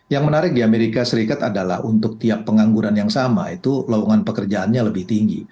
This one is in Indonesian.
yang menarik di amerika serikat adalah untuk tiap pengangguran yang sama itu lowongan pekerjaannya lebih tinggi